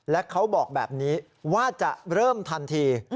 และเขาบอกแบบนี้ว่าจะเริ่มทันที